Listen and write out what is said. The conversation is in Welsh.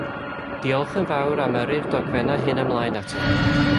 Diolch yn fawr am yrru'r dogfennau hyn ymlaen atom.